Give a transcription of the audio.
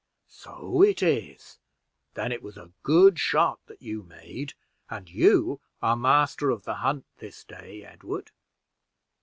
"So it is. Then it was a good shot that you made, and you are master of the hunt this day, Edward.